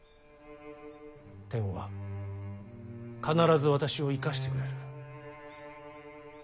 天は必ず私を生かしてくれる。